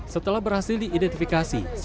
setelah berhasil diidentifikasi